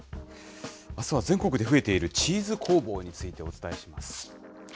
あすは全国で増えているチーズ工房についてお伝えします。